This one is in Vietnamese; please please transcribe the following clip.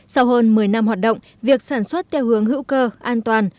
sau hơn một mươi năm hoạt động việc sản xuất theo hướng hữu cơ an toàn